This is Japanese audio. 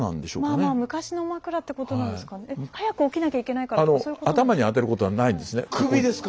まあまあ昔の枕ってことなんですかえっ早く起きなきゃいけないからとかそういうことなんですか。